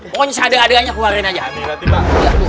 pokoknya seadanya adanya keluarin aja